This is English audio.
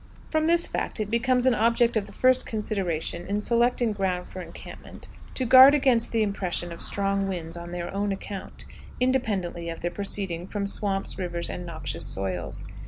"From this fact it becomes an object of the first consideration, in selecting ground for encampment, to guard against the impression of strong winds on their own account, independently of their proceeding from swamps, rivers, and noxious soils.